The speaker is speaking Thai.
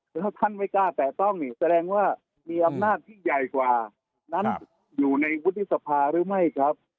คือถ้าท่านไม่กล้าแตะต้องนี่แสดงว่ามีอำนาจที่ใหญ่กว่านั้นอยู่ในวุฒิสภาหรือไม่ครับ